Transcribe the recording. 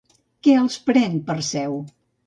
Què els pren Perseu?